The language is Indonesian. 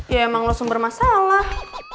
ya emang lo sumber masalah